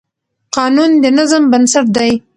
قانون د نظم بنسټ دی.